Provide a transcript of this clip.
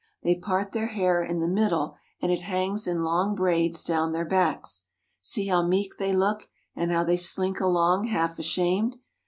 They part their hair in the mid dle and it hangs in long braids down their backs. See how meek they look and how they slink along half ashamed.